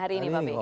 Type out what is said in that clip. hari ini pak bg